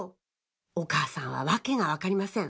お母さんは訳が分かりません